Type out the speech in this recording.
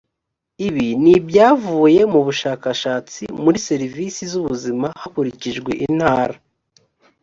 ibi ni ibyavuye mu bushakashatsi muri serivisi z ubuzima hakurikijwe intara